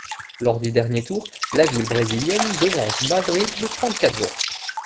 Lors du dernier tour, la ville brésilienne devance Madrid de trente-quatre voix.